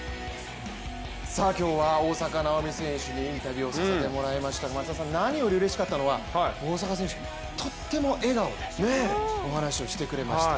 今日は大坂なおみ選手にインタビューをさせてもらいましたが松田さん何よりうれしかったのは大坂選手、とっても笑顔でお話をしてくれました。